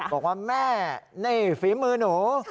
บอกว่าแม่นี่ฝีมือหนู